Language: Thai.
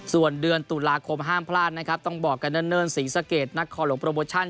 ส่วนเดือนตุลาคมห้ามพลาดนะครับต้องบอกกันเนิ่นศรีสะเกดนักคอหลวงโปรโมชั่น